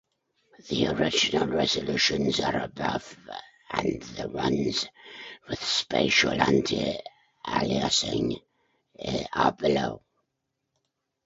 The original resolutions are above and the ones with spatial anti-aliasing are below.